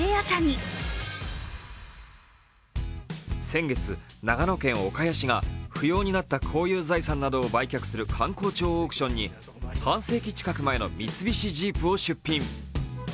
先月、長野県岡谷市が不要になった公有財産などを売却する官公庁オークションに半世紀近く前の三菱ジープを出品。